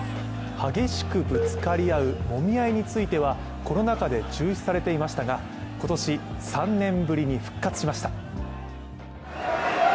激しくぶつかり合うもみ合いについては、コロナ禍で中止されていましたが今年、３年ぶりに復活しました。